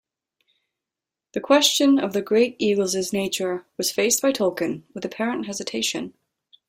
The question of the Great Eagles' nature was faced by Tolkien with apparent hesitation.